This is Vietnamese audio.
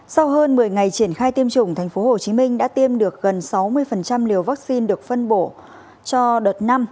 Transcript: sau hơn một mươi ngày triển khai tiêm chủng tp hcm đã tiêm được gần sáu mươi liều vaccine được phân bổ cho đợt năm